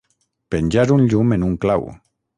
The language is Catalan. Penjar un llum en un clau.